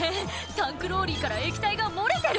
タンクローリーから液体が漏れてる！